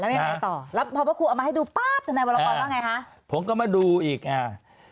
ยังไงต่อแล้วพอพระครูเอามาให้ดูป๊าบทนายวรกรว่าไงคะผมก็มาดูอีกอ่า